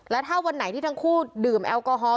แล้วถ้าวันไหนที่ทั้งคู่ดื่มแอลกอฮอล